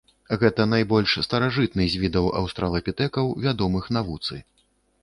Гэта найбольш старажытны з відаў аўстралапітэкаў, вядомых навуцы.